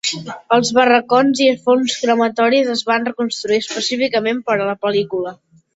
Els barracons i forns crematoris es van reconstruir específicament per a la pel·lícula.